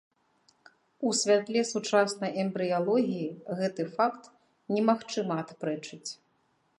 У святле сучаснай эмбрыялогіі гэты факт немагчыма адпрэчыць.